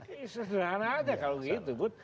sederhana saja kalau begitu bud